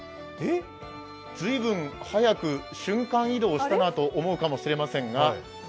随分早く瞬間移動したなと思うかもしれませんが。